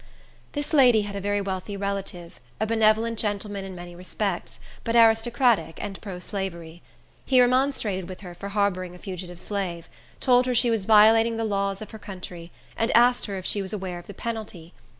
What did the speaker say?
This lady had a very wealthy relative, a benevolent gentleman in many respects, but aristocratic and pro slavery. He remonstrated with her for harboring a fugitive slave; told her she was violating the laws of her country; and asked her if she was aware of the penalty.